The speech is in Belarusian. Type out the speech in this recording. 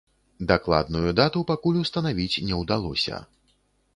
Дакладную дату пакуль устанавіць не ўдалося.